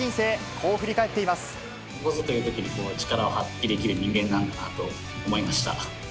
ここぞというときに、力を発揮できる人間なんだなと思いました。